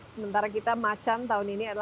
sementara kita macan tahun ini adalah